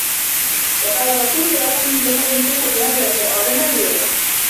وَقالَ الرَّسولُ يا رَبِّ إِنَّ قَومِي اتَّخَذوا هذَا القُرآنَ مَهجورًا